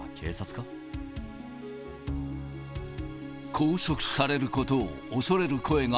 拘束されることを恐れる声が